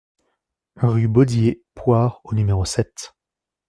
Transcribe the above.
Rue Bodié Pouard au numéro sept